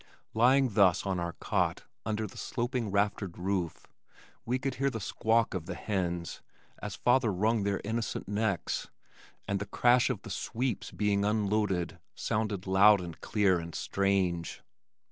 Lying thus in our cot under the sloping raftered roof we could hear the squawk of the hens, as father wrung their innocent necks, and the crash of the "sweeps" being unloaded sounded loud and clear and strange.